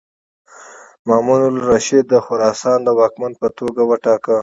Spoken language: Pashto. مامون الرشید د خراسان د واکمن په توګه وټاکه.